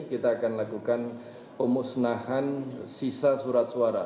kita akan lakukan pemusnahan sisa surat suara